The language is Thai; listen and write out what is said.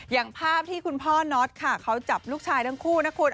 อย่างภาพที่คุณพ่อน็อตค่ะเขาจับลูกชายทั้งคู่นะคุณ